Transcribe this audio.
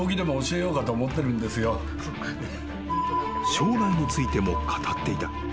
［将来についても語っていた］